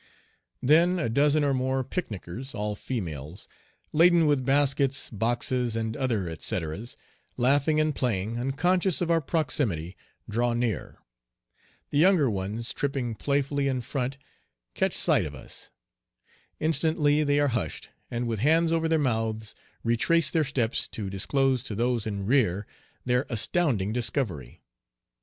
Then a dozen or more "picnicers," all females, laden with baskets, boxes, and other et ceteras, laughing and playing, unconscious of our proximity, draw near. The younger ones tripping playfully in front catch sight of us. Instantly they are hushed, and with hands over their mouths retrace their steps to disclose to those in rear their astounding discovery.